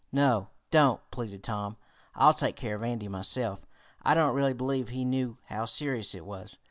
"No, don't," pleaded Tom. "I'll take care of Andy myself. I don't really believe he knew how serious it was.